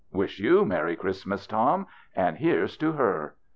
" Wish you merry Christmas, Tom. And here's to Aer."